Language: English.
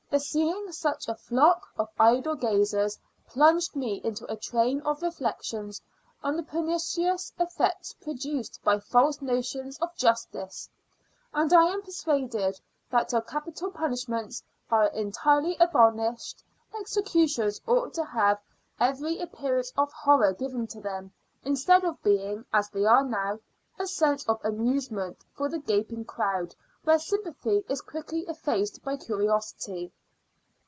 The seeing such a flock of idle gazers plunged me into a train of reflections on the pernicious effects produced by false notions of justice. And I am persuaded that till capital punishments are entirely abolished executions ought to have every appearance of horror given to them, instead of being, as they are now, a scene of amusement for the gaping crowd, where sympathy is quickly effaced by curiosity.